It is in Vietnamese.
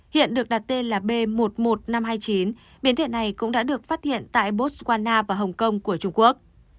hiện được đặt tên là b một một năm trăm hai mươi chín biến thể này cũng đã được phát hiện tại botswana và hồng kông của trung quốc